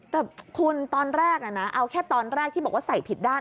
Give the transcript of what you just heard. แต่คุณตอนแรกนะเอาแค่ตอนแรกที่บอกว่าใส่ผิดด้าน